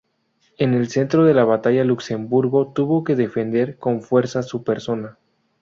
En el centro de la batalla Luxemburgo tuvo que defender con fuerza su persona.